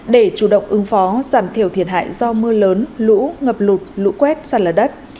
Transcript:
để chủ động ứng phó giảm thiểu thiệt hại do mưa lớn lũ ngập lụt lũ quét sạt lở đất